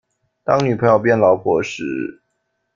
當女朋友變老婆時